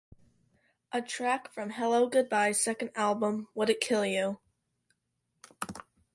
A track from Hellogoodbye's second album Would It Kill You?